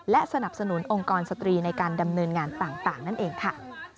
และสนับสนุนองค์กรสตรีในการดำเนินงานต่างนั่นเองค่ะ